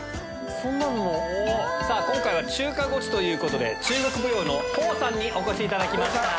さぁ今回は中華ゴチということで中国舞踊のホウさんにお越しいただきました。